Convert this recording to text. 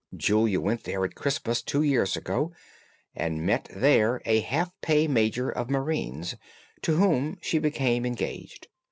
Julia went there at Christmas two years ago, and met there a half pay major of marines, to whom she became engaged.